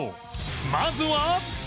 まずは